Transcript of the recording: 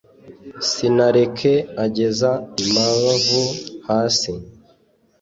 sinareke ageza imbavu hasi,